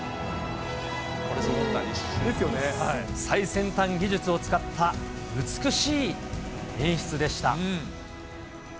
最先端技術を使った美しい演出でした。